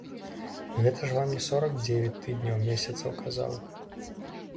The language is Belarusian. Гэта ж вам не сорак дзевяць тыдняў, месяцаў, казаў.